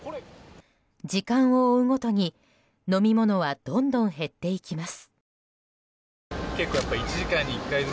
時間を追うごとに、飲み物はどんどん減っていきます。